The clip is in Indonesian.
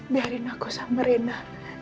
biarin aku sama reina